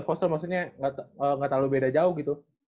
postur postur maksudnya ga terlalu beda jauh gitu